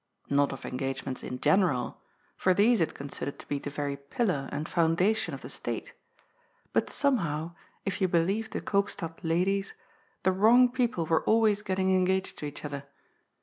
Not of engagements in general, for these it considered to be the very pillar and fbundation of the State, but somehow, if you believed the Koopstad ladies, the wrong people were always getting engaged to each other.